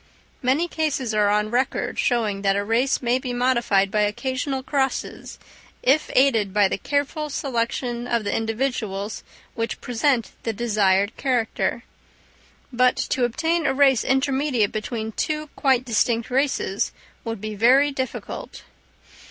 Many cases are on record showing that a race may be modified by occasional crosses if aided by the careful selection of the individuals which present the desired character; but to obtain a race intermediate between two quite distinct races would be very difficult.